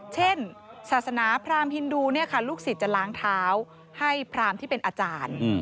เช่นศาสนาพรามฮินดูลูกศิษย์จะล้างเท้าให้พรามที่เป็นอาจารย์